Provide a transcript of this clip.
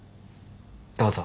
どうぞ。